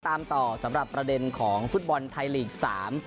ตามต่อสำหรับประเด็นของฟุตบอลไทยลีกสาม